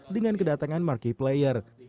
dengan kedatangan marquee player